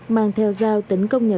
mang theo dao tấn công nhà tù